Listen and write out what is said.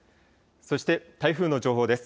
そして台風の情報です。